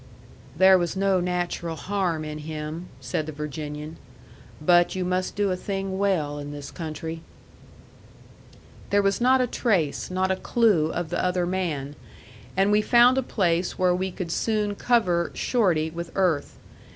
"There was no natural harm in him," said the Virginian. "But you must do a thing well in this country." There was not a trace, not a clew, of the other man; and we found a place where we could soon cover Shorty with earth.